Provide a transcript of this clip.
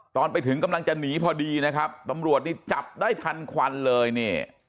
ตอนไปถึงกำลังจะหนีพอดีนะครับตำรวจนี่จับได้ทันควันเลยเนี่ย